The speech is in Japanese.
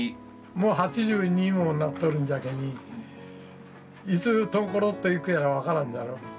もう８２にもなっとるんじゃけにいつコロッといくやら分からんじゃろそやけん